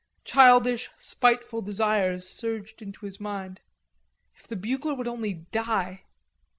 Childish spiteful desires surged into his mind. If the bugler would only die.